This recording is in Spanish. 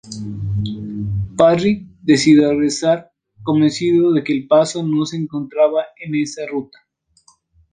Parry decidió regresar, convencido de que el paso no se encontraba en esa ruta.